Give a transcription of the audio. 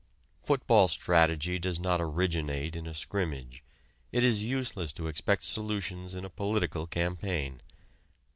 Football strategy does not originate in a scrimmage: it is useless to expect solutions in a political campaign.